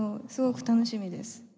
すごく楽しみです。